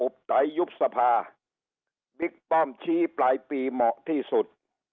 ไตยุบสภาบิ๊กป้อมชี้ปลายปีเหมาะที่สุด